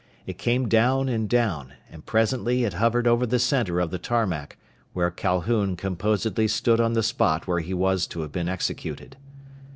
It came down and down, and presently it hovered over the center of the tarmac, where Calhoun composedly stood on the spot where he was to have been executed.